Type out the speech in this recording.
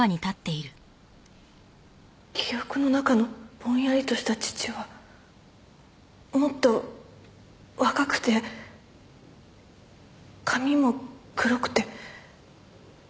記憶の中のぼんやりとした父はもっと若くて髪も黒くて。